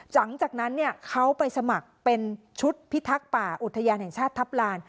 หลังจากนั้นเขาไปสมัครเป็นชุดพิทักษ์ป่าอุทยานแห่งชาติทัพลาน